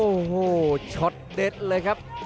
โอ้โหช็อตเด็ดเลยครับ